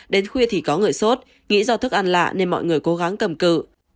đến khuya thì có người sốt nghĩ do thức ăn lạ nên mọi người cố gắng cầm cự